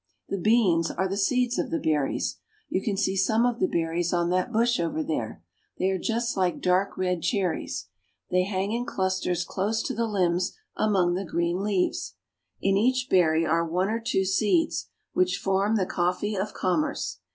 The beans are the seeds of the berries. You can see some of the berries on that bush over there. They are just like dark red cherries. They hang in clusters close to the limbs, among the green leaves. In each berry are one or two seeds, which form the coffee of commerce.